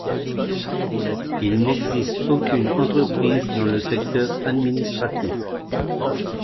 Il n'existe aucune entreprise dans le secteur administratif.